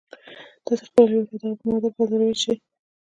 تاسې خپله لېوالتیا د هغې په معادل بدلولای شئ